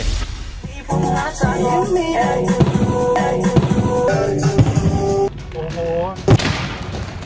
โหโห